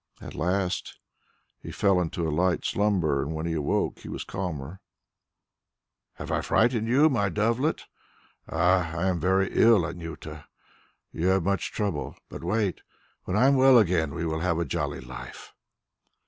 At last he fell into a light slumber, and when he awoke he was calmer. "Have I frightened you, my dovelet? Ah, I am very ill, Anjuta; you have much trouble. But wait; when I am well again we will have a jolly life."